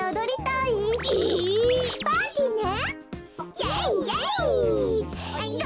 イエイイエイ！